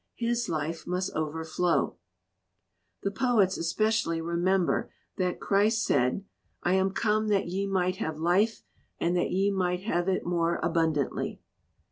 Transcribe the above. His life must overflow. "The poets especially remember that Christ said, 'I am come that ye might have life and that ye might have it more abundantly.'